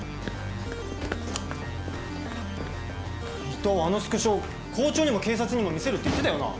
伊藤あのスクショ校長にも警察にも見せるって言ってたよな？